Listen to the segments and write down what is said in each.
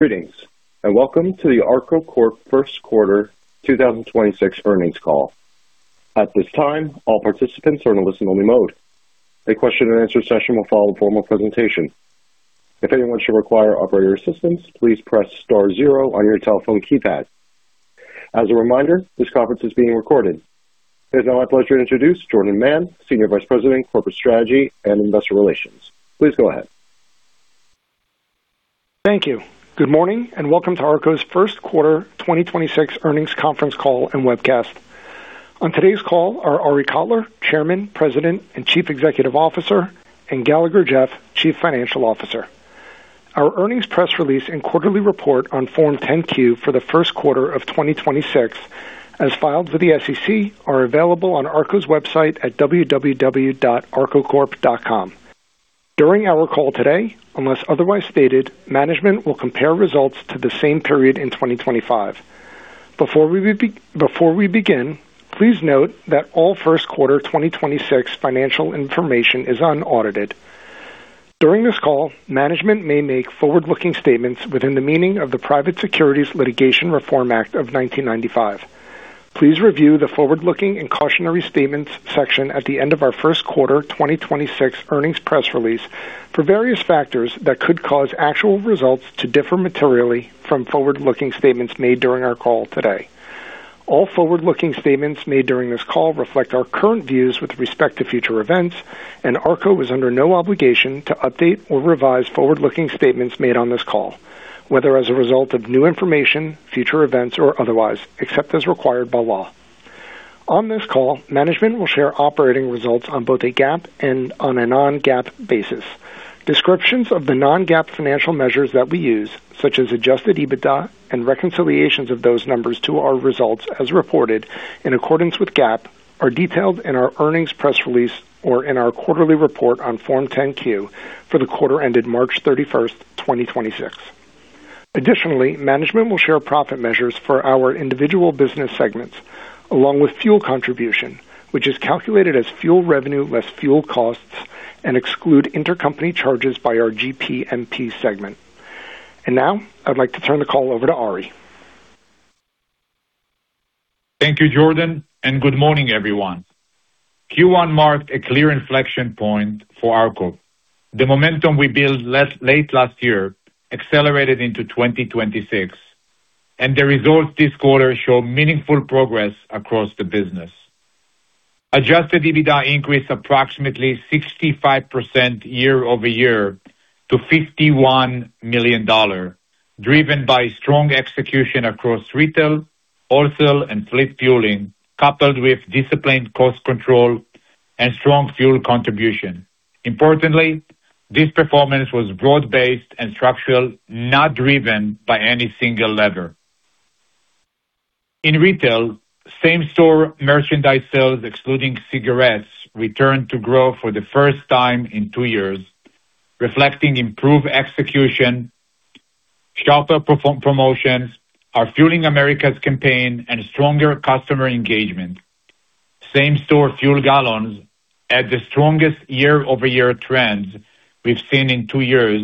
Greetings, welcome to the ARKO Corp. First Quarter 2026 earnings call. At this time, all participants are in a listen-only mode. A question-and-answer session will follow the formal presentation. If anyone should require operator assistance, please press star zero on your telephone keypad. A reminder, this conference is being recorded. It is now my pleasure to introduce Jordan Mann, Senior Vice President, Corporate Strategy and Investor Relations. Please go ahead. Thank you. Good morning, and welcome to ARKO's first quarter 2026 earnings conference call and webcast. On today's call are Arie Kotler, Chairman, President, and Chief Executive Officer, and Galagher Jeff, Chief Financial Officer. Our earnings press release and quarterly report on Form 10-Q for the first quarter of 2026, as filed with the SEC, are available on ARKO's website at www.arkocorp.com. During our call today, unless otherwise stated, management will compare results to the same period in 2025. Before we begin, please note that all first quarter 2026 financial information is unaudited. During this call, management may make forward-looking statements within the meaning of the Private Securities Litigation Reform Act of 1995. Please review the forward-looking and cautionary statements section at the end of our first quarter 2026 earnings press release for various factors that could cause actual results to differ materially from forward-looking statements made during our call today. All forward-looking statements made during this call reflect our current views with respect to future events. ARKO is under no obligation to update or revise forward-looking statements made on this call, whether as a result of new information, future events, or otherwise, except as required by law. On this call, management will share operating results on both a GAAP and on a non-GAAP basis. Descriptions of the non-GAAP financial measures that we use, such as Adjusted EBITDA and reconciliations of those numbers to our results as reported in accordance with GAAP, are detailed in our earnings press release or in our quarterly report on Form 10-Q for the quarter ended March 31st, 2026. Additionally, management will share profit measures for our individual business segments along with fuel contribution, which is calculated as fuel revenue less fuel costs and exclude intercompany charges by our GPMP segment. Now, I'd like to turn the call over to Arie. Thank you, Jordan, and good morning, everyone. Q1 marked a clear inflection point for ARKO. The momentum we built late last year accelerated into 2026, and the results this quarter show meaningful progress across the business. Adjusted EBITDA increased approximately 65% year-over-year to $51 million, driven by strong execution across retail, wholesale, and fleet fueling, coupled with disciplined cost control and strong fuel contribution. Importantly, this performance was broad-based and structural, not driven by any single lever. In retail, same-store merchandise sales, excluding cigarettes, returned to growth for the first time in two years, reflecting improved execution, sharper pro-promotions, our Fueling America's campaign, and stronger customer engagement. Same-store fuel gallons had the strongest year-over-year trends we've seen in two years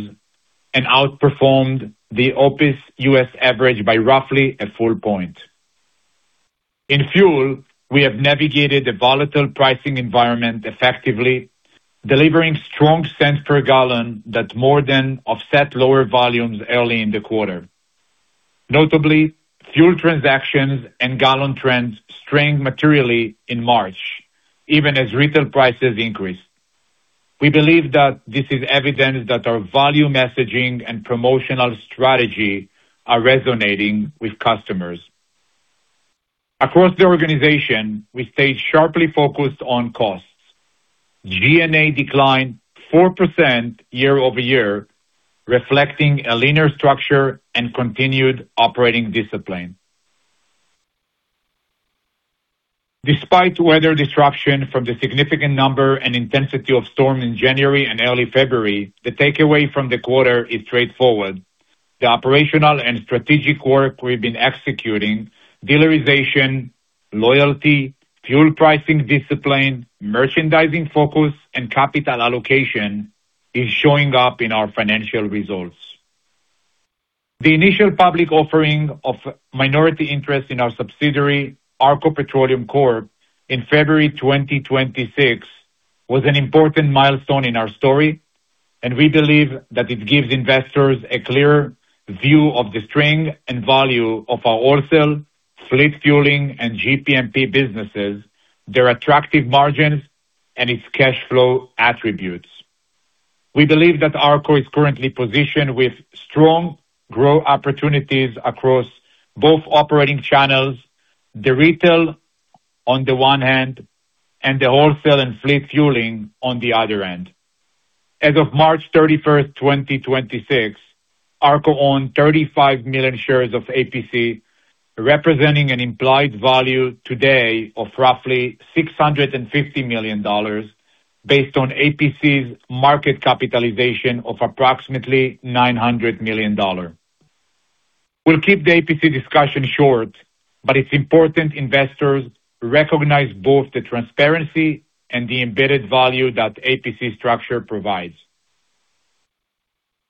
and outperformed the OPIS U.S. average by roughly a full point. In fuel, we have navigated the volatile pricing environment effectively, delivering strong cents per gallon that more than offset lower volumes early in the quarter. Notably, fuel transactions and gallon trends strengthened materially in March, even as retail prices increased. We believe that this is evidence that our value messaging and promotional strategy are resonating with customers. Across the organization, we stayed sharply focused on costs. G&A declined 4% year-over-year, reflecting a leaner structure and continued operating discipline. Despite weather disruption from the significant number and intensity of storms in January and early February, the takeaway from the quarter is straightforward. The operational and strategic work we've been executing, dealerization, loyalty, fuel pricing discipline, merchandising focus, and capital allocation, is showing up in our financial results. The initial public offering of minority interest in our subsidiary, ARKO Petroleum Corp., in February 2026, was an important milestone in our story. We believe that it gives investors a clear view of the strength and value of our wholesale, fleet fueling, and GPMP businesses, their attractive margins, and its cash flow attributes. We believe that ARKO is currently positioned with strong growth opportunities across both operating channels, the retail on the one hand and the wholesale and fleet fueling on the other end. As of March 31st, 2026, ARKO owned 35 million shares of APC, representing an implied value today of roughly $650 million, based on APC's market capitalization of approximately $900 million. We'll keep the APC discussion short. It's important investors recognize both the transparency and the embedded value that APC structure provides.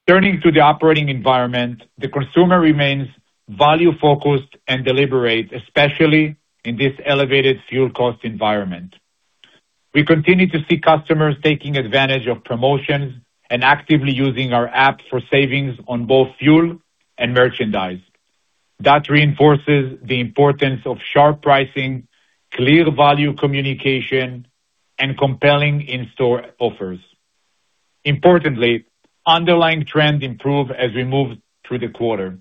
Turning to the operating environment, the consumer remains value-focused and deliberate, especially in this elevated fuel cost environment. We continue to see customers taking advantage of promotions and actively using our app for savings on both fuel and merchandise. That reinforces the importance of sharp pricing, clear value communication, and compelling in-store offers. Importantly, underlying trends improve as we move through the quarter.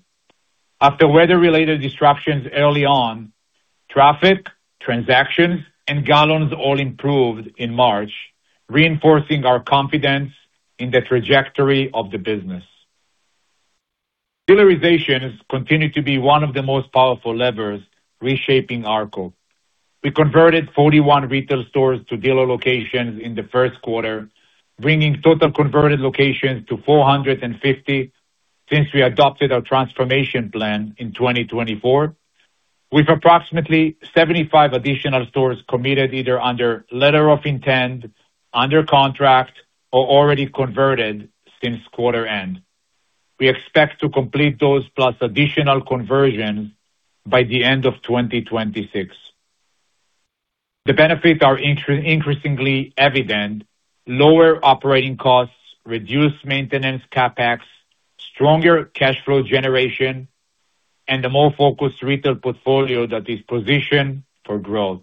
After weather-related disruptions early on, traffic, transactions, and gallons all improved in March, reinforcing our confidence in the trajectory of the business. Dealerization has continued to be one of the most powerful levers reshaping ARKO. We converted 41 retail stores to dealer locations in the first quarter, bringing total converted locations to 450 since we adopted our transformation plan in 2024, with approximately 75 additional stores committed either under letter of intent, under contract, or already converted since quarter end. We expect to complete those plus additional conversions by the end of 2026. The benefits are increasingly evident. Lower operating costs, reduced maintenance CapEx, stronger cash flow generation, and a more focused retail portfolio that is positioned for growth.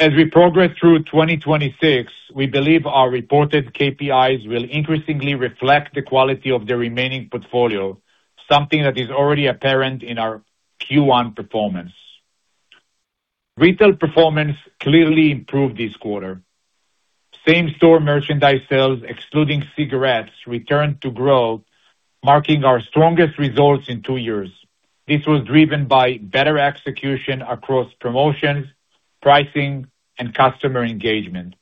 As we progress through 2026, we believe our reported KPIs will increasingly reflect the quality of the remaining portfolio, something that is already apparent in our Q1 performance. Retail performance clearly improved this quarter. Same-store merchandise sales, excluding cigarettes, returned to growth, marking our strongest results in two years. This was driven by better execution across promotions, pricing, and customer engagement.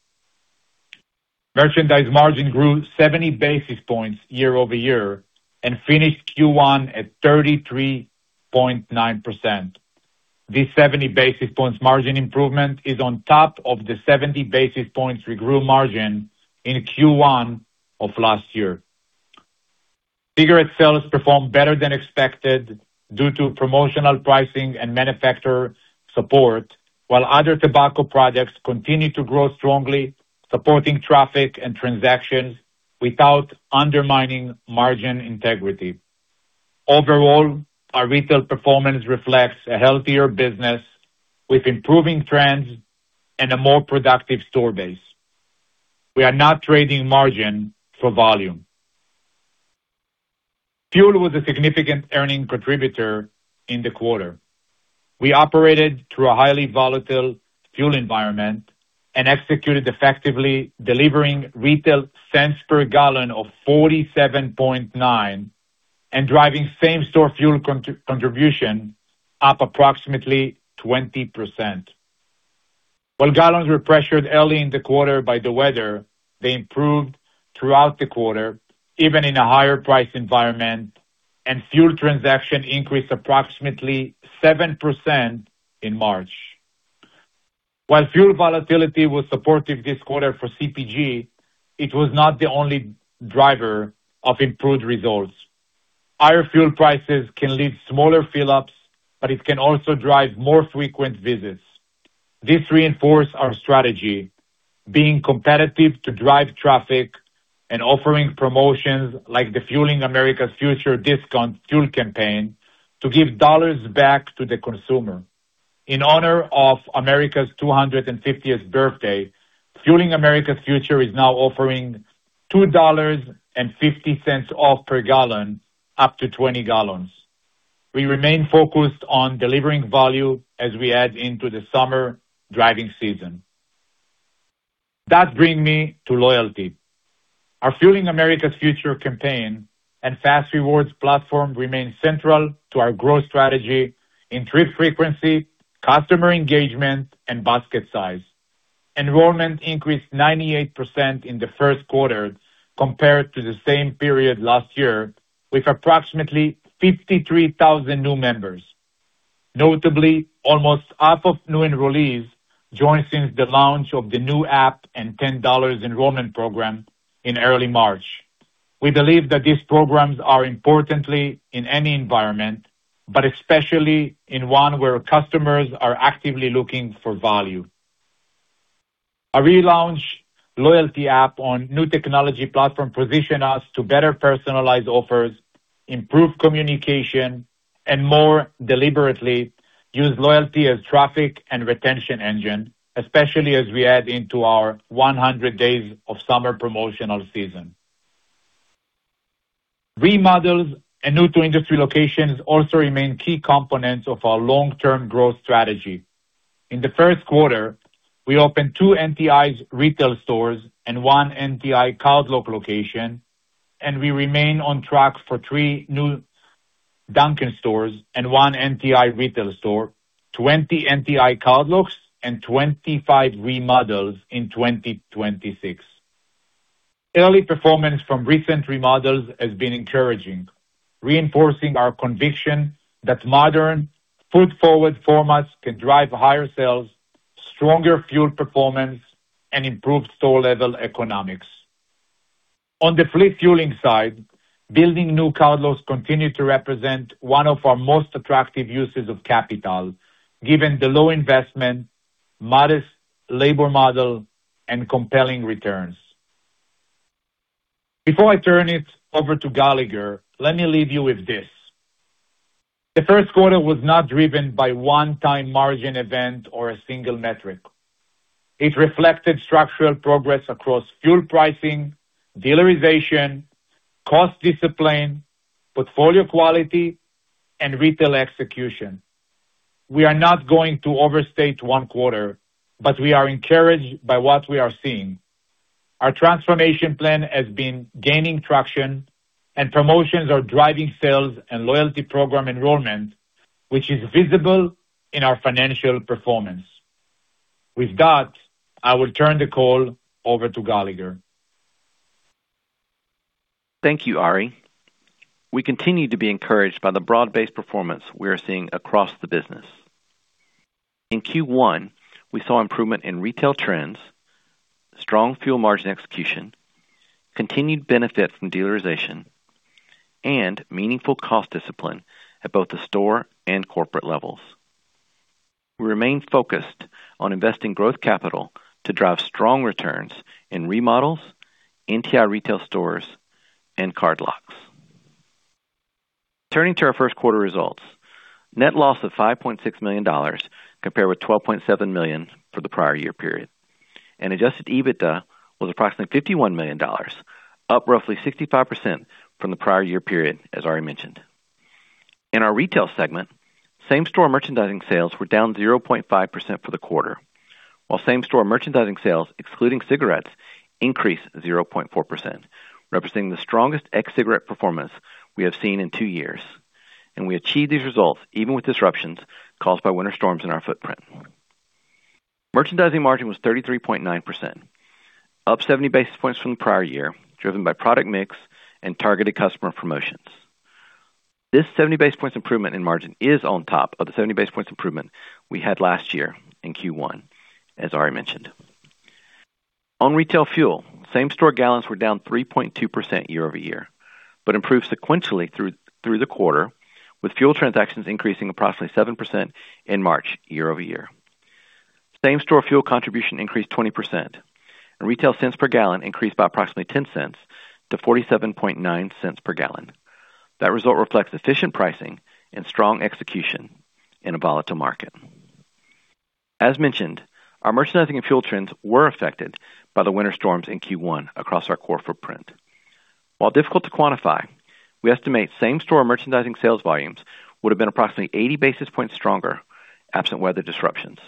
Merchandise margin grew 70 basis points year-over-year and finished Q1 at 33.9%. This 70 basis points margin improvement is on top of the 70 basis points we grew margin in Q1 of last year. Cigarette sales performed better than expected due to promotional pricing and manufacturer support, while other tobacco products continued to grow strongly, supporting traffic and transactions without undermining margin integrity. Overall, our retail performance reflects a healthier business with improving trends and a more productive store base. We are not trading margin for volume. Fuel was a significant earning contributor in the quarter. We operated through a highly volatile fuel environment and executed effectively, delivering retail cents per gallon of $0.479 and driving same-store fuel contribution up approximately 20%. While gallons were pressured early in the quarter by the weather, they improved throughout the quarter, even in a higher price environment, and fuel transaction increased approximately 7% in March. While fuel volatility was supportive this quarter for CPG, it was not the only driver of improved results. Higher fuel prices can lead to smaller fill-ups, but it can also drive more frequent visits. This reinforce our strategy, being competitive to drive traffic and offering promotions like the Fueling America's Future discount fuel campaign to give dollars back to the consumer. In honor of America's 250th birthday, Fueling America's Future is now offering $2.50 off per gallon, up to 20 gallons. We remain focused on delivering value as we head into the summer driving season. That bring me to loyalty. Our Fueling America's Future campaign and fas REWARDS platform remain central to our growth strategy, in trip frequency, customer engagement, and basket size. Enrollment increased 98% in the first quarter compared to the same period last year, with approximately 53,000 new members. Notably, almost half of new enrollees joined since the launch of the new app and $10 enrollment program in early March. We believe that these programs are important in any environment, but especially in one where customers are actively looking for value. A relaunched loyalty app on new technology platform positions us to better personalize offers, improve communication, and more deliberately use loyalty as traffic and retention engine, especially as we add into our 100 days of summer promotional season. Remodels and new-to-industry locations also remain key components of our long-term growth strategy. In the first quarter, we opened two NTI retail stores and one NTI cardlock location, and we remain on track for three new Dunkin' stores and one NTI retail store, 20 NTI cardlocks and 25 remodels in 2026. Early performance from recent remodels has been encouraging, reinforcing our conviction that modern food forward formats can drive higher sales, stronger fuel performance, and improved store level economics. On the fleet fueling side, building new cardlocks continue to represent one of our most attractive uses of capital, given the low investment, modest labor model, and compelling returns. Before I turn it over to Galagher, let me leave you with this. The first quarter was not driven by one-time margin event or a single metric. It reflected structural progress across fuel pricing, dealerization, cost discipline, portfolio quality, and retail execution. We are not going to overstate one quarter. We are encouraged by what we are seeing. Our transformation plan has been gaining traction and promotions are driving sales and loyalty program enrollment, which is visible in our financial performance. With that, I will turn the call over to Galagher. Thank you, Arie. We continue to be encouraged by the broad-based performance we are seeing across the business. In Q1, we saw improvement in retail trends, strong fuel margin execution, continued benefit from dealerization, and meaningful cost discipline at both the store and corporate levels. We remain focused on investing growth capital to drive strong returns in remodels, NTI retail stores, and cardlocks. Turning to our first quarter results, net loss of $5.6 million compared with $12.7 million for the prior year period. Adjusted EBITDA was approximately $51 million, up roughly 65% from the prior year period, as Arie mentioned. In our retail segment, same-store merchandise sales were down 0.5% for the quarter, while same-store merchandise sales, excluding cigarettes, increased 0.4%, representing the strongest ex-cigarette performance we have seen in two years. We achieved these results even with disruptions caused by winter storms in our footprint. Merchandising margin was 33.9%, up 70 basis points from the prior year, driven by product mix and targeted customer promotions. This 70 basis points improvement in margin is on top of the 70 basis points improvement we had last year in Q1, as Arie mentioned. On retail fuel, same-store gallons were down 3.2% year-over-year, but improved sequentially through the quarter, with fuel transactions increasing approximately 7% in March year-over-year. Same-store fuel contribution increased 20%, and retail cents per gallon increased by approximately $0.10 to $0.479 per gallon. That result reflects efficient pricing and strong execution in a volatile market. As mentioned, our merchandising and fuel trends were affected by the winter storms in Q1 across our core footprint. While difficult to quantify, we estimate same-store merchandise sales volumes would have been approximately 80 basis points stronger absent weather disruptions,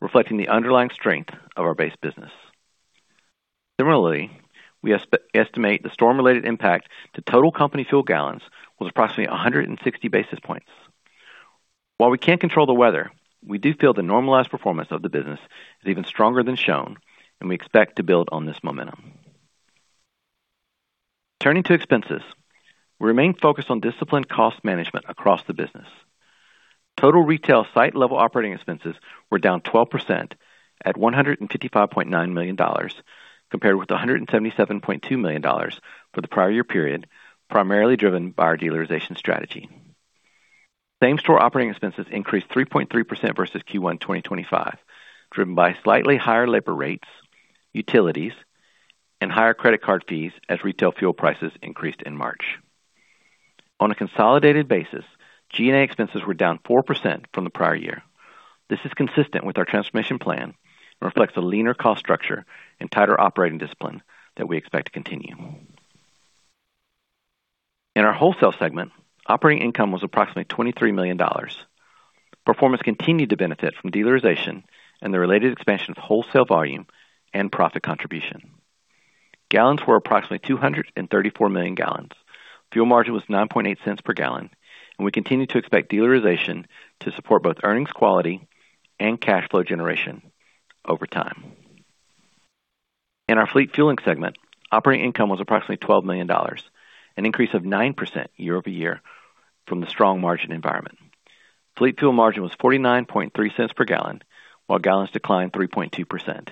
reflecting the underlying strength of our base business. Similarly, we estimate the storm-related impact to total company fuel gallons was approximately 160 basis points. While we can't control the weather, we do feel the normalized performance of the business is even stronger than shown, and we expect to build on this momentum. Turning to expenses, we remain focused on disciplined cost management across the business. Total retail site-level operating expenses were down 12% at $155.9 million, compared with $177.2 million for the prior year period, primarily driven by our dealerization strategy. Same-store operating expenses increased 3.3% versus Q1 2025, driven by slightly higher labor rates, utilities, and higher credit card fees as retail fuel prices increased in March. On a consolidated basis, G&A expenses were down 4% from the prior year. This is consistent with our transformation plan and reflects a leaner cost structure and tighter operating discipline that we expect to continue. In our wholesale segment, operating income was approximately $23 million. Performance continued to benefit from dealerization and the related expansion of wholesale volume and profit contribution. Gallons were approximately 234 million gallons. Fuel margin was $0.098 per gallon, and we continue to expect dealerization to support both earnings quality and cash flow generation over time. In our fleet fueling segment, operating income was approximately $12 million, an increase of 9% year-over-year from the strong margin environment. Fleet fuel margin was $0.493 per gallon, while gallons declined 3.2%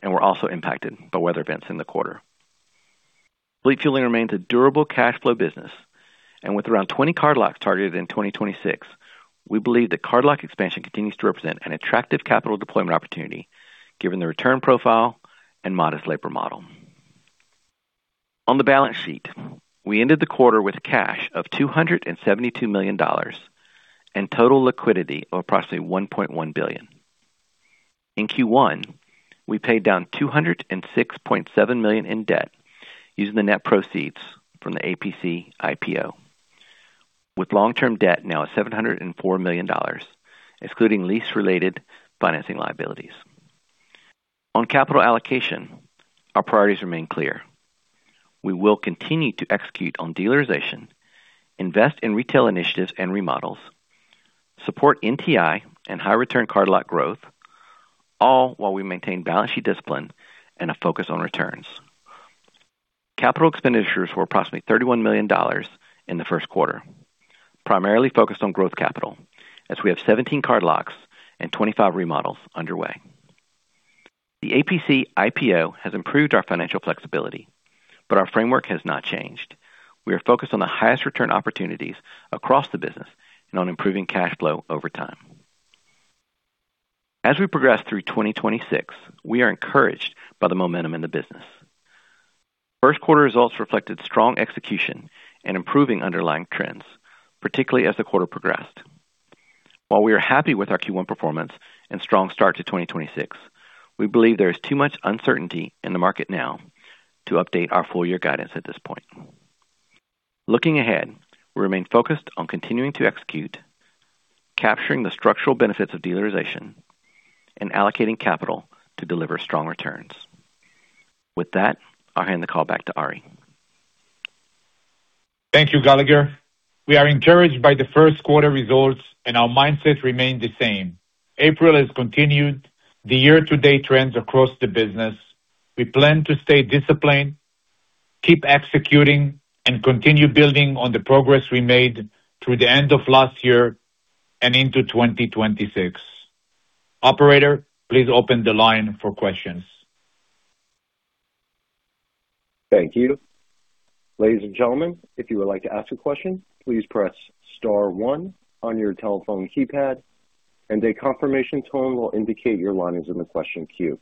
and were also impacted by weather events in the quarter. Fleet fueling remains a durable cash flow business, and with around 20 cardlocks targeted in 2026, we believe that cardlock expansion continues to represent an attractive capital deployment opportunity given the return profile and modest labor model. On the balance sheet, we ended the quarter with cash of $272 million and total liquidity of approximately $1.1 billion. In Q1, we paid down $206.7 million in debt using the net proceeds from the APC IPO, with long-term debt now at $704 million, excluding lease-related financing liabilities. On capital allocation, our priorities remain clear. We will continue to execute on dealerization, invest in retail initiatives and remodels, support NTI and high return cardlock growth, all while we maintain balance sheet discipline and a focus on returns. Capital expenditures were approximately $31 million in the first quarter, primarily focused on growth capital as we have 17 cardlocks and 25 remodels underway. The APC IPO has improved our financial flexibility, our framework has not changed. We are focused on the highest return opportunities across the business and on improving cash flow over time. As we progress through 2026, we are encouraged by the momentum in the business. First quarter results reflected strong execution and improving underlying trends, particularly as the quarter progressed. While we are happy with our Q1 performance and strong start to 2026, we believe there is too much uncertainty in the market now to update our full year guidance at this point. Looking ahead, we remain focused on continuing to execute, capturing the structural benefits of dealerization and allocating capital to deliver strong returns. With that, I'll hand the call back to Arie. Thank you, Galagher. We are encouraged by the first quarter results, and our mindset remained the same. April has continued the year-to-date trends across the business. We plan to stay disciplined, keep executing, and continue building on the progress we made through the end of last year and into 2026. Operator, please open the line for questions. Thank you. Ladies and gentlemen, if you would like to ask a question, please press star one on your telephone keypad and a confirmation tone will indicate your line is in the question queue.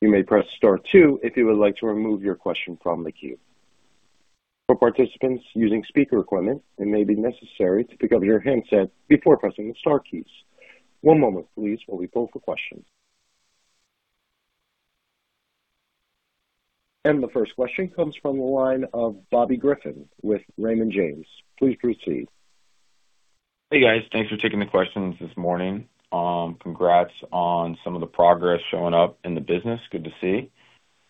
You may press star two if you would like to remove your question from the queue. For participants using speaker equipment, it may be necessary to pick up your handset before pressing the star keys. One moment please, while we pull for questions. The first question comes from the line of Bobby Griffin with Raymond James. Please proceed. Hey, guys. Thanks for taking the questions this morning. Congrats on some of the progress showing up in the business. Good to see.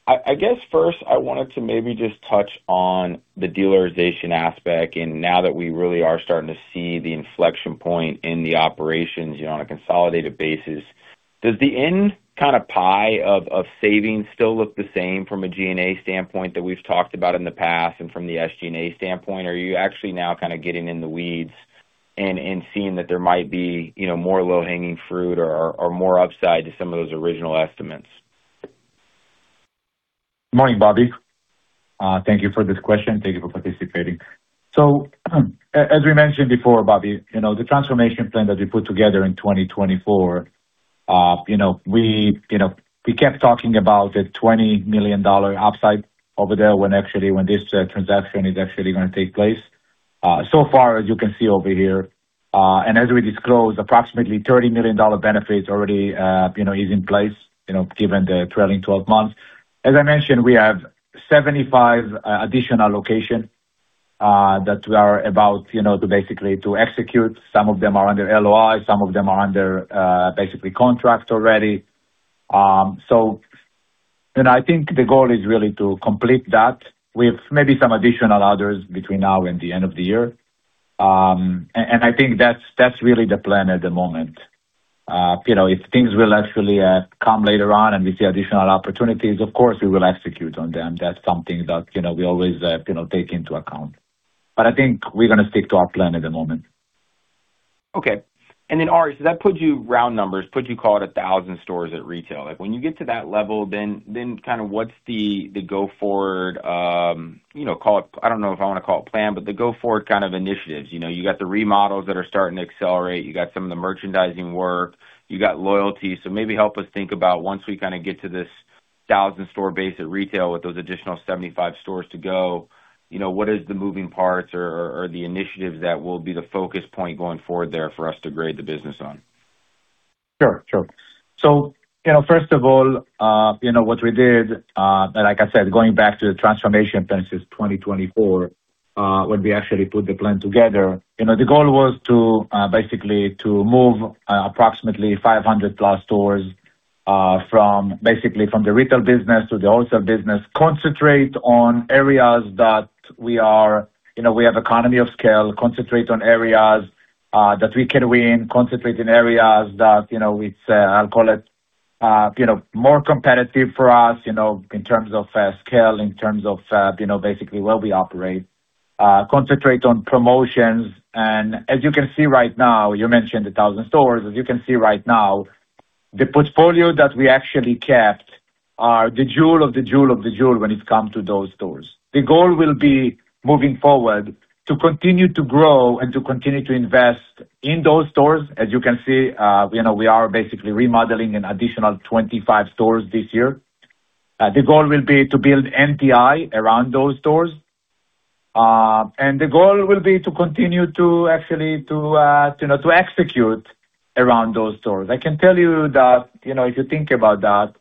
I guess first I wanted to maybe just touch on the dealerization aspect. Now that we really are starting to see the inflection point in the operations, you know, on a consolidated basis, does the end kind of pie of savings still look the same from a G&A standpoint that we've talked about in the past and from the SG&A standpoint? Are you actually now kind of getting in the weeds and seeing that there might be, you know, more low hanging fruit or more upside to some of those original estimates? Morning, Bobby. Thank you for this question. Thank you for participating. As we mentioned before, Bobby, you know, the transformation plan that we put together in 2024, you know, we, you know, we kept talking about the $20 million upside over there when actually when this transaction is actually gonna take place. So far, as you can see over here, and as we disclose, approximately $30 million benefits already, you know, is in place, you know, given the trailing 12 months. As I mentioned, we have 75 additional locations that we are about, you know, to basically to execute. Some of them are under LOI, some of them are under basically contracts already. I think the goal is really to complete that with maybe some additional others between now and the end of the year. I think that's really the plan at the moment. You know, if things will actually come later on and we see additional opportunities, of course, we will execute on them. That's something that, you know, we always, you know, take into account. I think we're going to stick to our plan at the moment. Okay. Arie, that puts you round numbers, puts you call it 1,000 stores at retail. Like, when you get to that level, then kind of what's the go forward, you know, call it I don't know if I wanna call it plan, but the go forward kind of initiatives. You know, you got the remodels that are starting to accelerate, you got some of the merchandising work, you got loyalty. Maybe help us think about once we kind of get to this 1,000 store base at retail with those additional 75 stores to go, you know, what is the moving parts or the initiatives that will be the focus point going forward there for us to grade the business on? Sure. Sure. You know, first of all, you know what we did, like I said, going back to the transformation plan since 2024, when we actually put the plan together. You know, the goal was to basically to move approximately 500 plus stores from basically from the retail business to the wholesale business. Concentrate on areas that we are, you know, we have economy of scale. Concentrate on areas that we can win. Concentrate in areas that, you know, it's, I'll call it, you know, more competitive for us, you know, in terms of scale, in terms of, you know, basically where we operate. Concentrate on promotions. As you can see right now, you mentioned 1,000 stores. As you can see right now, the portfolio that we actually kept are the jewel of the jewel of the jewel when it comes to those stores. The goal will be moving forward to continue to grow and to continue to invest in those stores. As you can see, you know, we are basically remodeling an additional 25 stores this year. The goal will be to build NTI around those stores. The goal will be to continue to actually to, you know, to execute around those stores. I can tell you that, you know, if you think about that,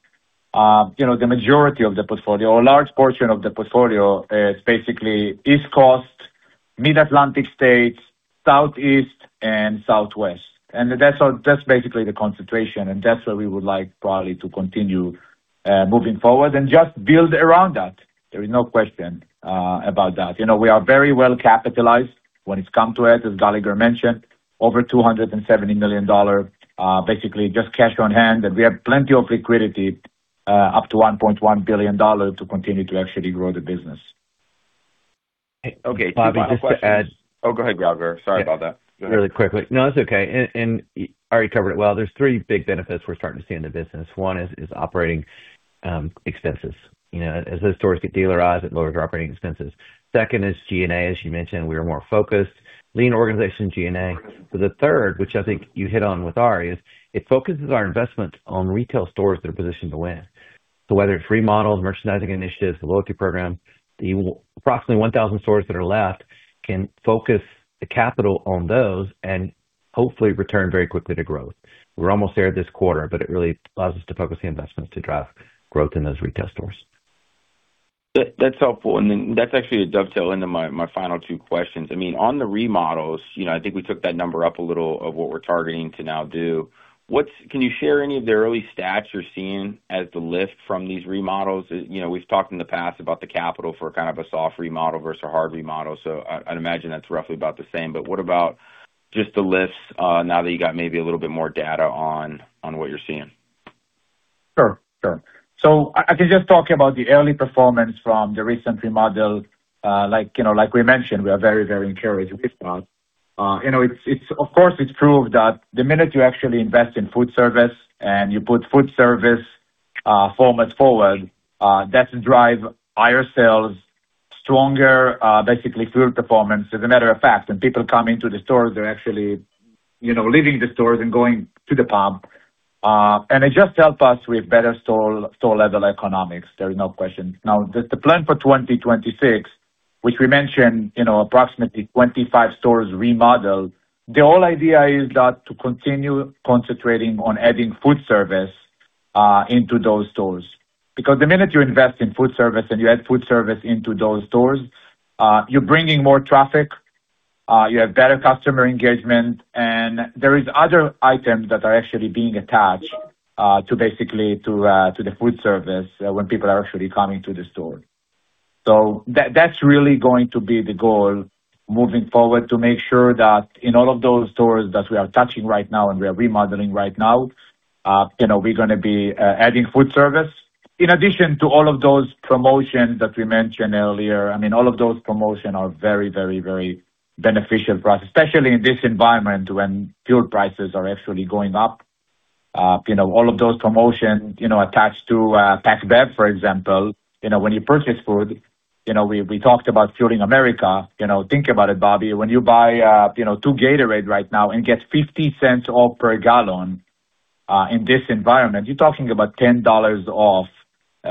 you know, the majority of the portfolio or a large portion of the portfolio is basically across Mid-Atlantic states, Southeast and Southwest. That's basically the concentration, and that's where we would like probably to continue moving forward and just build around that. There is no question about that. You know, we are very well-capitalized when it's come to it, as Galagher mentioned, over $270 million basically just cash on hand. We have plenty of liquidity up to $1.1 billion to continue to actually grow the business. Okay. Two final questions. Just to add- Oh, go ahead, Galagher. Sorry about that. Go ahead. Really quickly. No, it's okay. Arie covered it well. There are three big benefits we are starting to see in the business. One is operating expenses. You know, as those stores get dealerized, it lowers our operating expenses. Second is G&A. As you mentioned, we are more focused. Lean organization, G&A. The third, which I think you hit on with Arie, is it focuses our investment on retail stores that are positioned to win. Whether it's remodels, merchandising initiatives, fas REWARDS, the approximately 1,000 stores that are left can focus the capital on those and hopefully return very quickly to growth. We are almost there this quarter, it really allows us to focus the investments to drive growth in those retail stores. That's helpful. That's actually to dovetail into my final two questions. I mean, on the remodels, you know, I think we took that number up a little of what we're targeting to now do. Can you share any of the early stats you're seeing as the lift from these remodels? You know, we've talked in the past about the capital for kind of a soft remodel versus a hard remodel, so I'd imagine that's roughly about the same. What about just the lifts, now that you got maybe a little bit more data on what you're seeing? Sure. Sure. I can just talk about the early performance from the recent remodel. Like, you know, like we mentioned, we are very, very encouraged with that. You know, it's of course it's proved that the minute you actually invest in food service and you put food service formats forward that drive higher sales, stronger, basically fuel performance. As a matter of fact, when people come into the stores, they're actually, you know, leaving the stores and going to the pub. And it just help us with better store-level economics. There's no question. The plan for 2026, which we mentioned, you know, approximately 25 stores remodeled, the whole idea is that to continue concentrating on adding food service into those stores. The minute you invest in food service and you add food service into those stores, you're bringing more traffic, you have better customer engagement, and there is other items that are actually being attached to the food service when people are actually coming to the store. That, that's really going to be the goal moving forward, to make sure that in all of those stores that we are touching right now and we are remodeling right now, you know, we're gonna be adding food service. In addition to all of those promotions that we mentioned earlier, all of those promotions are very beneficial for us, especially in this environment when fuel prices are actually going up. You know, all of those promotions, you know, attached to Pack Bev, for example, you know, when you purchase food, you know, we talked about Fueling America. You know, think about it, Bobby, when you buy, you know, two Gatorade right now and get $0.50 off per gallon, in this environment, you're talking about $10 off,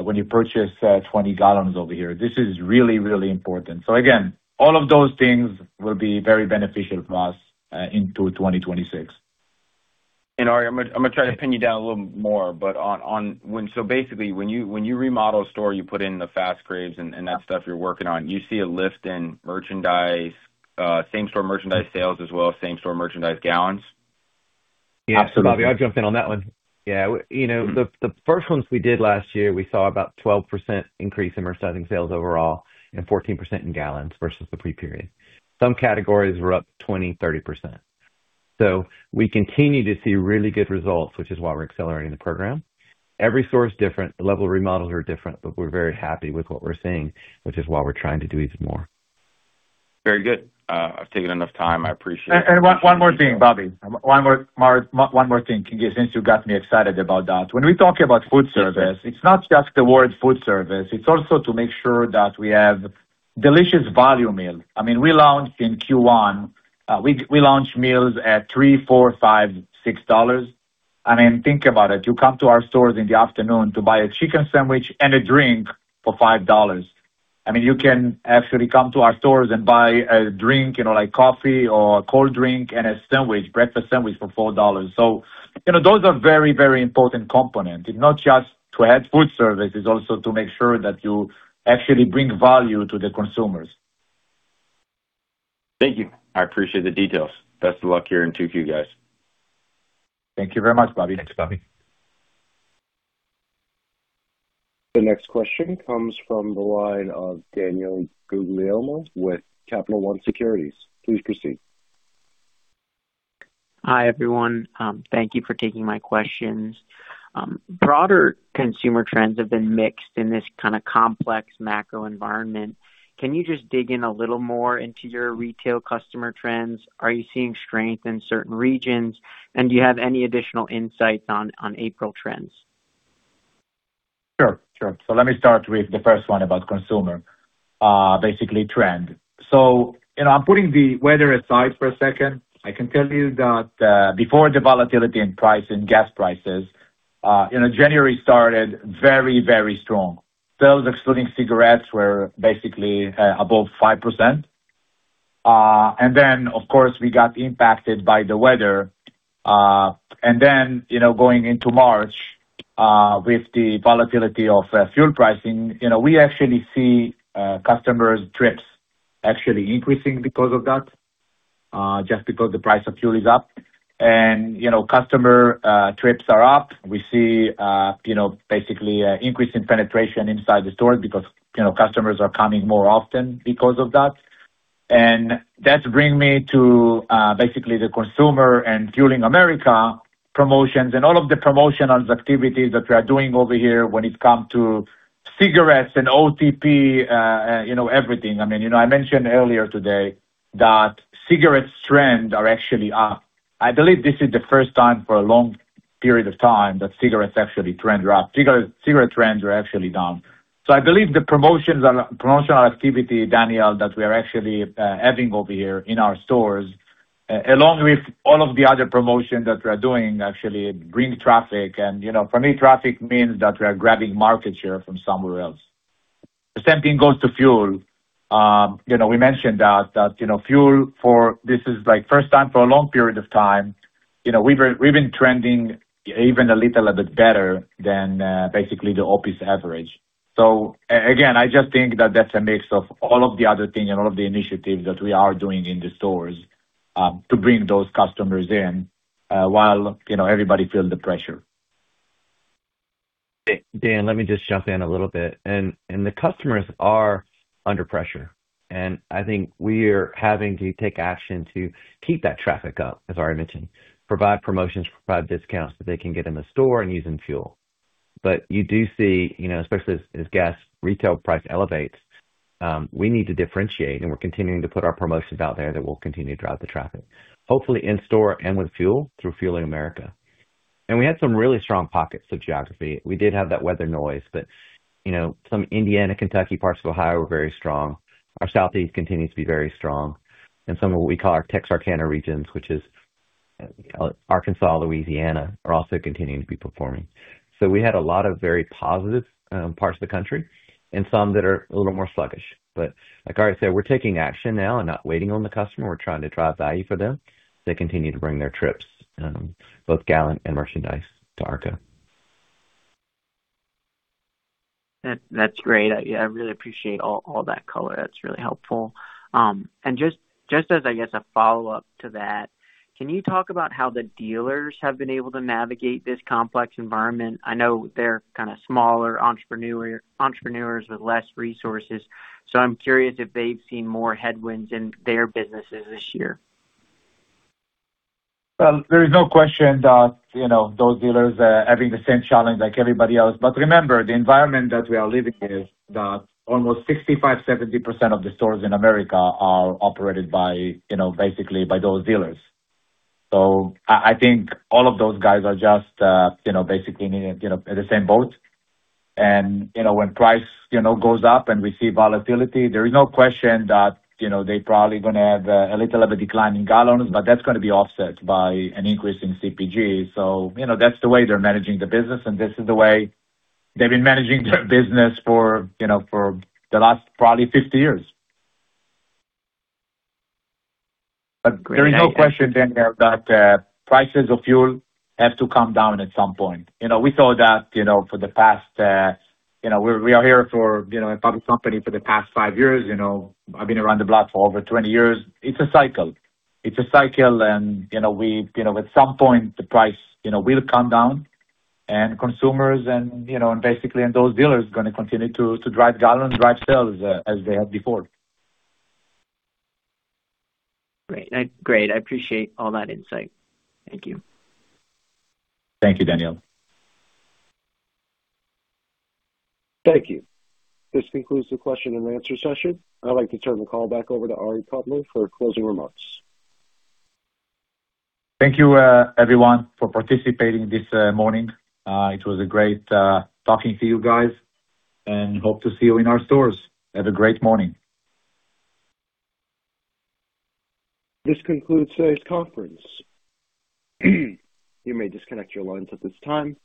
when you purchase 20 gallons over here. This is really important. Again, all of those things will be very beneficial for us, into 2026. Arie, I'm gonna try to pin you down a little more, basically when you remodel a store, you put in the fas craves and that stuff you're working on, do you see a lift in merchandise, same-store merchandise sales as well as same-store merchandise gallons? Yeah. Bobby, I'll jump in on that one. Yeah. You know, the first ones we did last year, we saw about 12% increase in merchandise sales overall and 14% in gallons versus the pre-period. Some categories were up 20%, 30%. We continue to see really good results, which is why we're accelerating the program. Every store is different. The level of remodels are different, but we're very happy with what we're seeing, which is why we're trying to do it more. Very good. I've taken enough time. One more thing, Bobby. One more thing, since you got me excited about that. When we talk about food service, it's not just the word food service, it's also to make sure that we have delicious value meal. I mean, we launched in Q1, we launched meals at $3, $4, $5, $6. I mean, think about it. You come to our stores in the afternoon to buy a chicken sandwich and a drink for $5. I mean, you can actually come to our stores and buy a drink, you know, like coffee or a cold drink and a sandwich, breakfast sandwich for $4. You know, those are very, very important component. It's not just to add food service, it's also to make sure that you actually bring value to the consumers. Thank you. I appreciate the details. Best of luck here in 2Q, guys. Thank you very much, Bobby. Thanks, Bobby. The next question comes from the line of Daniel Guglielmo with Capital One Securities. Please proceed. Hi, everyone. Thank you for taking my questions. Broader consumer trends have been mixed in this kinda complex macro environment. Can you just dig in a little more into your retail customer trends? Are you seeing strength in certain regions? Do you have any additional insights on April trends? Sure. Sure. Let me start with the first one about consumer, basically trend. You know, I'm putting the weather aside for a second. I can tell you that, before the volatility in price, in gas prices, you know, January started very, very strong. Sales excluding cigarettes were basically, above 5%. Then, of course, we got impacted by the weather. Then, you know, going into March, with the volatility of fuel pricing, you know, we actually see customers' trips actually increasing because of that, just because the price of fuel is up. You know, customer trips are up. We see, you know, basically, increase in penetration inside the store because, you know, customers are coming more often because of that. That bring me to, basically the consumer and Fueling America promotions and all of the promotions activities that we are doing over here when it come to cigarettes and OTP, you know, everything. I mean, you know, I mentioned earlier today that cigarettes trend are actually up. I believe this is the first time for a long period of time that cigarettes actually trend are up. Cigarette trends were actually down. I believe the promotions are, promotional activity, Daniel, that we are actually having over here in our stores, along with all of the other promotions that we're doing actually bring traffic. You know, for me, traffic means that we are grabbing market share from somewhere else. The same thing goes to fuel. You know, we mentioned that, you know, fuel for This is like first time for a long period of time, you know, we've been trending even a little bit better than basically the OPIS average. Again, I just think that that's a mix of all of the other things and all of the initiatives that we are doing in the stores to bring those customers in while, you know, everybody feel the pressure. Dan, let me just jump in a little bit. The customers are under pressure, and I think we are having to take action to keep that traffic up, as Arie mentioned. Provide promotions, provide discounts that they can get in the store and using fuel. You do see, you know, especially as gas retail price elevates, we need to differentiate, and we're continuing to put our promotions out there that will continue to drive the traffic, hopefully in store and with fuel through Fueling America's Future. We had some really strong pockets of geography. We did have that weather noise, but, you know, some Indiana, Kentucky, parts of Ohio were very strong. Our southeast continues to be very strong. Some of what we call our Texarkana regions, which is Arkansas, Louisiana, are also continuing to be performing. We had a lot of very positive parts of the country and some that are a little more sluggish. Like Arie said, we're taking action now and not waiting on the customer. We're trying to drive value for them as they continue to bring their trips, both gallon and merchandise, to ARKO. That's great. I really appreciate all that color. That's really helpful. Just as, I guess, a follow-up to that, can you talk about how the dealers have been able to navigate this complex environment? I know they're kinda smaller entrepreneurs with less resources, so I'm curious if they've seen more headwinds in their businesses this year. Well, there is no question that, you know, those dealers are having the same challenge like everybody else. Remember, the environment that we are living in is that almost 65, 70% of the stores in America are operated by, you know, basically by those dealers. I think all of those guys are just, you know, basically in, you know, in the same boat. You know, when price, you know, goes up and we see volatility, there is no question that, you know, they probably gonna have a little of a decline in gallons, but that's gonna be offset by an increase in CPG. You know, that's the way they're managing the business, and this is the way they've been managing their business for, you know, for the last probably 50 years. There is no question, Daniel, that prices of fuel have to come down at some point. You know, we saw that, you know, for the past, you know, we are here for, you know, a public company for the past five years, you know. I've been around the block for over 20 years. It's a cycle. It's a cycle and, you know, we, you know, at some point, the price, you know, will come down and consumers and, you know, and basically and those dealers gonna continue to drive gallons, drive sales as they have before. Great. I appreciate all that insight. Thank you. Thank you, Daniel. Thank you. This concludes the question and answer session. I'd like to turn the call back over to Arie Kotler for closing remarks. Thank you, everyone for participating this morning. It was a great talking to you guys and hope to see you in our stores. Have a great morning. This concludes today's conference. You may disconnect your lines at this time,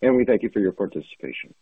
and we thank you for your participation.